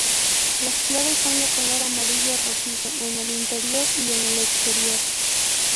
Las flores son de color amarillo rojizo en el interior y en el exterior.